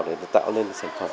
để tạo nên cái sản phẩm